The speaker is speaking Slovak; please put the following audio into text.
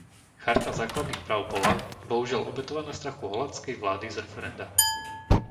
Charta základných práv bola, bohužiaľ, obetovaná strachu holandskej vlády z referenda.